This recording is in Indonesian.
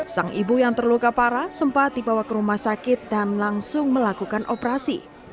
sang ibu yang terluka parah sempat dibawa ke rumah sakit dan langsung melakukan operasi